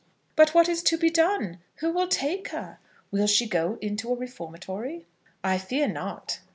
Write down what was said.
"But what is to be done? Who will take her? Will she go into a reformatory?" "I fear not."